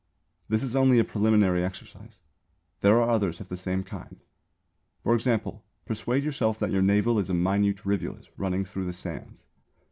This is only a preliminary exercise. There are others of the same kind. For example persuade yourself that your navel is a minute rivulet running through the sands.